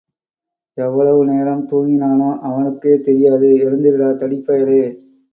எவ்வளவு நேரம் தூங்கினானோ அவனுக்கே தெரியாது எழுந்திருடா தடிப்பயலே!